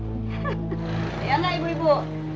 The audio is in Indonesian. iya gak ibu ibu